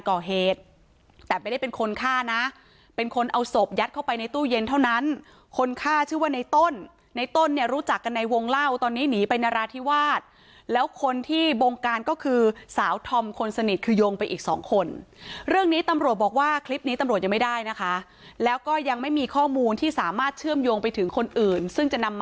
ก่อเหตุแต่ไม่ได้เป็นคนฆ่านะเป็นคนเอาศพยัดเข้าไปในตู้เย็นเท่านั้นคนฆ่าชื่อว่าในต้นในต้นเนี่ยรู้จักกันในวงเล่าตอนนี้หนีไปนราธิวาสแล้วคนที่บงการก็คือสาวธอมคนสนิทคือโยงไปอีกสองคนเรื่องนี้ตำรวจบอกว่าคลิปนี้ตำรวจยังไม่ได้นะคะแล้วก็ยังไม่มีข้อมูลที่สามารถเชื่อมโยงไปถึงคนอื่นซึ่งจะนำมา